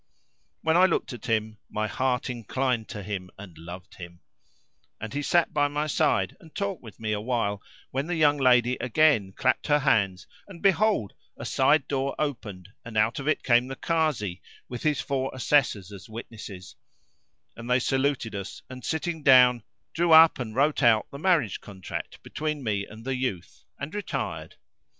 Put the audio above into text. "[FN#338] When I looked at him my heart inclined to him and I loved him; and he sat by my side and talked with me a while, when the young lady again clapped her hands and behold, a side door opened and out of it came the Kazi with his four assessors as witnesses; and they saluted us and, sitting down, drew up and wrote out the marriage contract between me and the youth and retired.